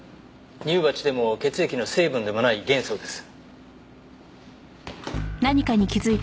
乳鉢でも血液の成分でもない元素です。